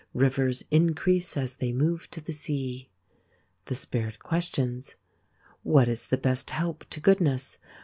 Rivers increase as they move to the sea. The Spirit questions : What is the best help to goodness